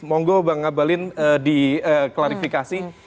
monggo bang abalin diklarifikasi